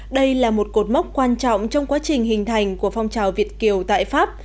đây là một cột mốc quan trọng trong quá trình hình thành của phong trào việt kiều tại pháp